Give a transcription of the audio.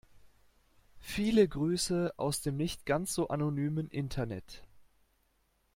Viele Grüße aus dem nicht ganz so anonymen Internet.